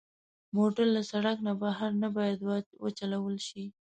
موټر له سړک نه بهر نه باید وچلول شي.